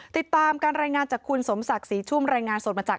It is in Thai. ติดตามการรายงานจากคุณสมศักดิ์ศรีชุ่มรายงานสดมาจาก